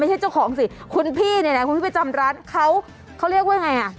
อ้อไม่ใช่เจ้าของสิคุณพี่นี่แหละคุณพี่ไปจำรัฐเขาเรียกว่าอย่างไรอ่ะ